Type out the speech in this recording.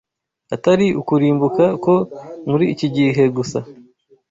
atari ukurimbuka ko muri iki gihe gusa